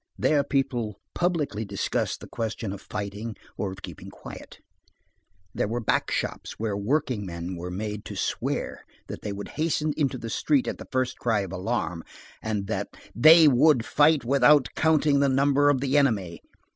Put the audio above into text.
There people publicly discussed the question of fighting or of keeping quiet. There were back shops where workingmen were made to swear that they would hasten into the street at the first cry of alarm, and "that they would fight without counting the number of the enemy."